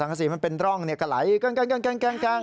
สีมันเป็นร่องก็ไหลแกล้ง